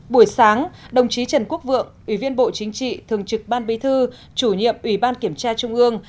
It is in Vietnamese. buổi sáng đồng chí trần quốc vượng ủy viên bộ chính trị thường trực ban bí thư chủ nhiệm ủy ban kiểm tra trung ương